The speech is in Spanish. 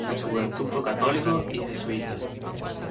En su juventud fue católico y jesuita.